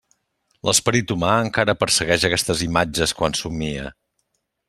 L'esperit humà encara persegueix aquestes imatges quan somia.